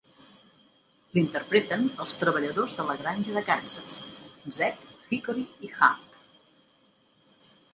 L'interpreten els treballadors de la granja de Kansas, Zeke, Hickory i Hunk.